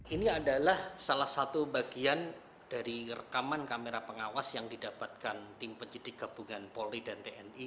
ini adalah salah satu bagian dari rekaman kamera pengawas yang didapatkan tim penyidik gabungan polri dan tni